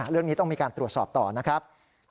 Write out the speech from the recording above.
เรื่องนี้ต้องมีการตรวจสอบต่อนะครับ